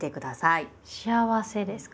「『幸』せ」ですか。